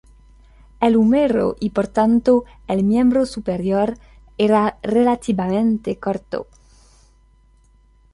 El húmero y por lo tanto el miembro superior, era relativamente corto.